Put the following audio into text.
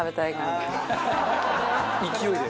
勢いで？